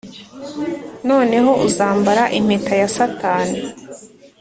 noneho uzambara impeta ya satani ...